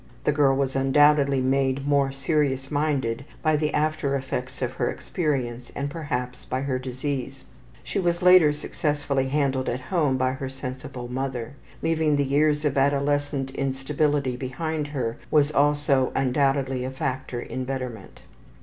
The girl was undoubtedly made more serious minded by the after effects of her experience and perhaps by her disease. She was later successfully handled at home by her sensible mother. Leaving the years of adolescent instability behind her was also undoubtedly a factor in betterment.